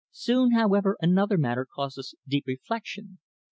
Soon, however, another matter caused me deep reflection.